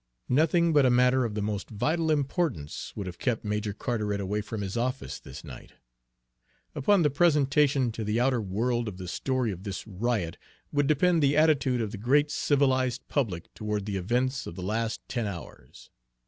Nothing but a matter of the most vital importance would have kept Major Carteret away from his office this night. Upon the presentation to the outer world of the story of this riot would depend the attitude of the great civilized public toward the events of the last ten hours.